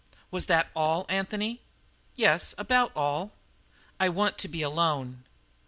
"Was that all, Anthony?" "Yes, about all." "I want to be alone."